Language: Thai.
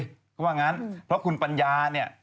เขาว่างั้นเพราะคุณปัญญาเนี่ย